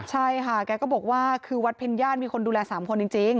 ใช่ค่ะแกก็บอกว่าคือวัดเพ็ญญาติมีคนดูแล๓คนจริง